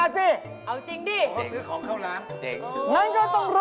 นี่แทน๔ถุงอย่างนี้เหรอ